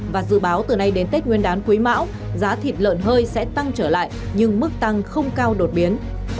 và dự báo từ nay đến tết nguyên đán quý mão giá thịt lợn hơi sẽ tăng trở lại nhưng mức tăng không cao đột biến